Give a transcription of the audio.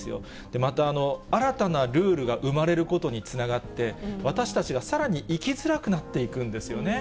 また、新たなルールが生まれることにつながって、私たちがさらに生きづらくなっていくんですよね。